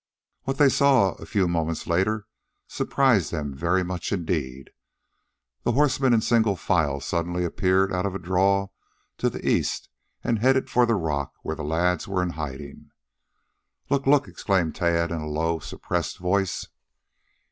What they saw, a few moments later, surprised them very much indeed. The horsemen in single file suddenly appeared out of a draw to the east and headed for the rock where the lads were in hiding. "Look! Look!" exclaimed Tad in a low, suppressed voice.